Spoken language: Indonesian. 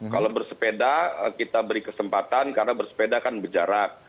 kalau bersepeda kita beri kesempatan karena bersepeda kan berjarak